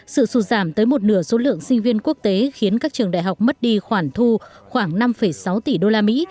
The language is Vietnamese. sự sụt giảm tới một nửa số lượng sinh viên quốc tế khiến các trường đại học mất đi khoản thu khoảng năm sáu tỷ usd